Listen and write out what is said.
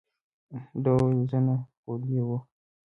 ده وویل، زه نه، خو دی وو.